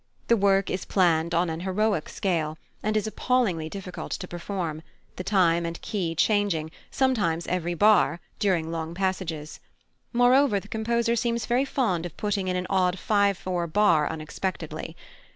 The work is planned on an heroic scale, and is appallingly difficult to perform, the time and key changing, sometimes every bar, during long passages: moreover, the composer seems very fond of putting in an odd five four bar unexpectedly.